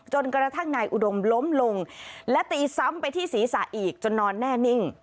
จนกระทั่งนายอุดมล้มลงและตีซ้ำไปที่ศีรษะอีกจนนอนแน่นิ่ง